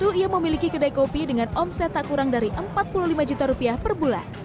ia memiliki kedai kopi dengan omset tak kurang dari empat puluh lima juta rupiah per bulan